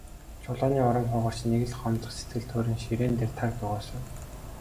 Чулууны урам хугарч, нэг л гомдох сэтгэл төрөн ширээн дээрээ таг дуугүй суув.